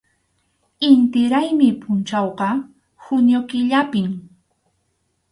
Inti raymi pʼunchawqa junio killapim.